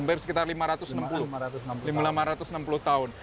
hampir sekitar lima ratus enam puluh tahun